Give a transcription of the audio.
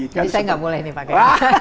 jadi saya tidak boleh ini pakai